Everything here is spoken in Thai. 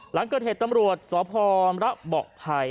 หลังเกิดเหตุตำรวจสพมระเบาะภัย